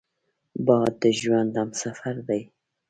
باد د ژوند همسفر دی